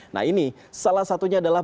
nah ini salah satunya adalah